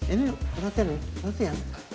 ini latihan ya